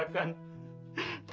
kamu tidak merasakan